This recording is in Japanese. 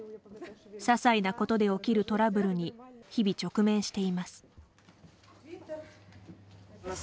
ささいなことで起きるトラブルに日々直面しています。